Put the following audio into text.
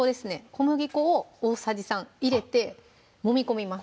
小麦粉を大さじ３入れてもみ込みます